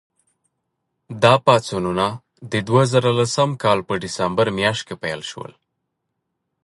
دا پاڅونونه د دوه زره لسم کال په ډسمبر میاشت کې پیل شول.